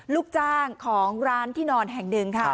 ลูกจ้างของร้านที่นอนแห่งหนึ่งค่ะ